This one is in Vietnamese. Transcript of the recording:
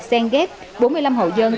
xen ghép bốn mươi năm hộ dân